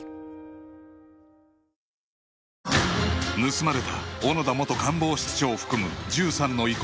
盗まれた小野田元官房室長を含む１３の遺骨